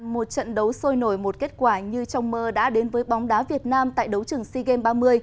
một trận đấu sôi nổi một kết quả như trong mơ đã đến với bóng đá việt nam tại đấu trường sea games ba mươi